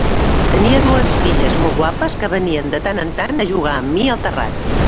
Tenia dues filles molt guapes que venien de tant en tant a jugar amb mi al terrat.